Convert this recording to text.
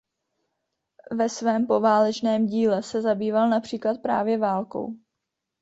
Ve svém poválečném díle se zabýval například právě válkou.